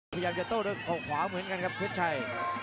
พยายามจะโต้ด้วยเขาขวาเหมือนกันครับเพชรชัย